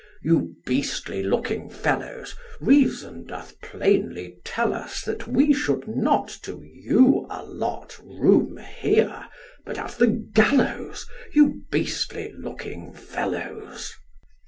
You beastly looking fellows, Reason doth plainly tell us That we should not To you allot Room here, but at the gallows, You beastly looking fellows.